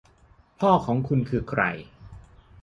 พ่อของคุณคือใคร